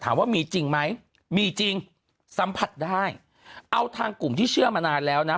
ถามว่ามีจริงไหมมีจริงสัมผัสได้เอาทางกลุ่มที่เชื่อมานานแล้วนะ